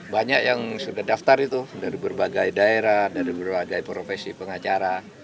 banyak yang sudah daftar itu dari berbagai daerah dari berbagai profesi pengacara